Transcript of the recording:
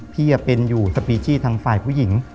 พี่เป็นอยู่สปีชีทางฝ่ายผู้หญิง